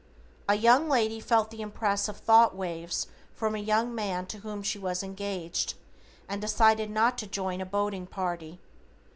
A young lady felt the impress of thought waves from a young man to whom she was engaged, and decided not to join a boating party.